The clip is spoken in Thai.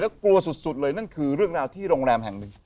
กลัวสุดเลยนั่นคือเรื่องราวที่โรงแรมแห่งหนึ่ง